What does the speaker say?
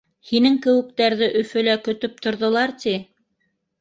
Һинең кеүектәрҙе Өфөлә көтөп торҙолар, ти!